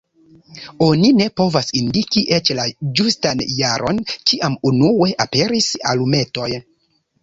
Oni ne povas indiki eĉ la ĝustan jaron, kiam unue aperis alumetoj.